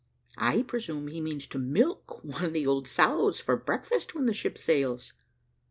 I presume he means to milk one of the old sows for breakfast when the ship sails.